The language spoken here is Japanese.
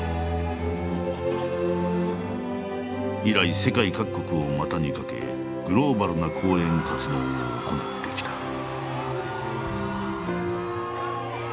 以来世界各国を股にかけグローバルな公演活動を行ってきた。